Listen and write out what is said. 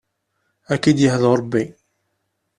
Ad k-id-yehdu Rebbi.